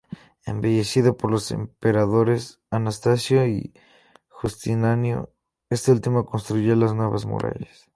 Embellecida por los emperadores Anastasio y Justiniano; este último construyó las nuevas murallas.